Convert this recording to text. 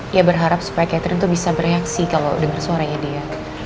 ya berharap catherine bisa bereaksi kalau dengar suaranya dia